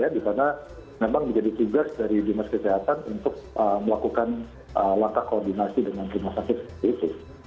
di mana memang menjadi tugas dari dinas kesehatan untuk melakukan langkah koordinasi dengan rumah sakit seperti itu